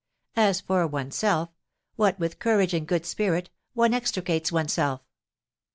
As for oneself, what with courage and good spirit, one extricates oneself.